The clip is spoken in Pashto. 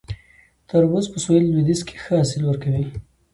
تربوز په سویل لویدیځ کې ښه حاصل ورکوي